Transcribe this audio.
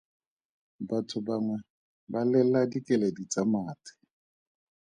Batho bangwe ba lela dikeledi tsa mathe.